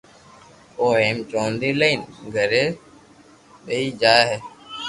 او ھيم چوندي لئين گھري پئچي جائين